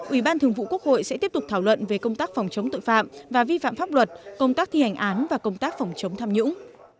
ủy ban thường vụ quốc hội sẽ tiếp tục thảo luận về công tác phòng chống tội phạm và vi phạm pháp luật công tác thi hành án và công tác phòng chống tham nhũng